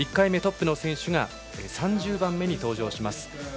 １回目、トップの選手が３０番目に登場します。